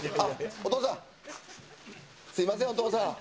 お父さん、すみません、お父さん。